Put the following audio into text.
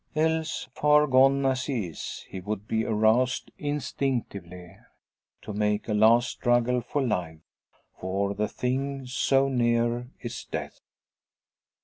Else, far gone as he is, he would be aroused instinctively to make a last struggle for life. For the thing so near is death!